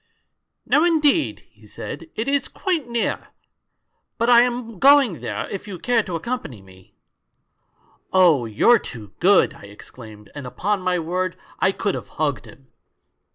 " 'No, indeed,' he said, 'it is quite near. But I am going there; if you care to accompany me '" 'Oh, you're too good!' I exclaimed, and upon my word I could have hugged him